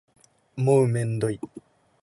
もうめんどい